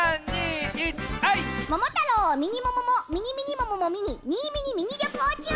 「桃太郎ミニ桃もミニミニ桃も見に新見にミニ旅行中」！